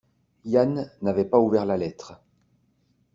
Yann n’avait pas ouvert la lettre.